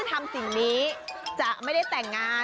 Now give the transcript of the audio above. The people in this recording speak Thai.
คุณต้องเป็นคนเล่าคูณเป็นคนเล่า